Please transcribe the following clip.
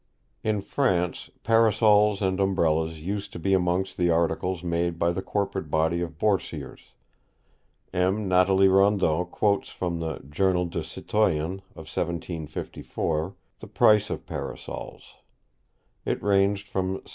In France Parasols and Umbrellas used to be amongst the articles made by the corporate body of Boursiers. M. Natalis Rondot quotes from the Journal du Citoyen, of 1754, the price of Parasols. It ranged from 7s.